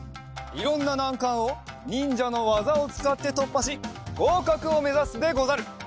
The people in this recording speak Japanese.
いろんななんかんをにんじゃのわざをつかってとっぱしごうかくをめざすでござる。